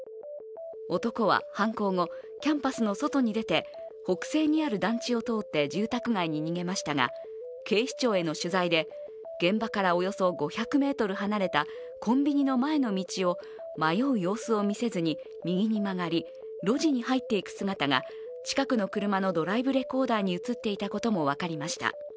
男は犯行後、キャンパスの外に出て北西にある団地を通って住宅街に逃げましたが、警視庁への取材で現場からおよそ５００ｍ離れたコンビニの前の道を迷う様子を見せずに右に曲がり路地に入っていく姿が近くの車のドライブレコーダーに映っていたことも分かりました。